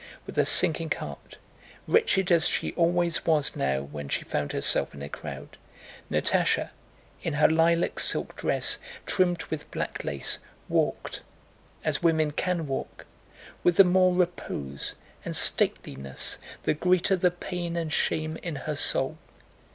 With a sinking heart, wretched as she always was now when she found herself in a crowd, Natásha in her lilac silk dress trimmed with black lace walked—as women can walk—with the more repose and stateliness the greater the pain and shame in her soul.